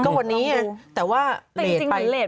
ใช่เลต